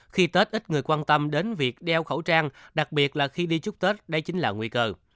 khi tết ít người quan tâm đến việc đeo khẩu trang đặc biệt là khi đi chúc tết đây chính là nguy cơ